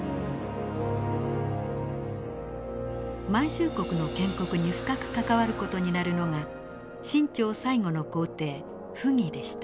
満州国の建国に深く関わる事になるのが清朝最後の皇帝溥儀でした。